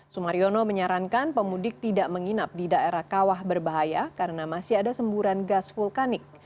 sumaryono menyarankan pemudik tidak menginap di daerah kawah berbahaya karena masih ada semburan gas vulkanik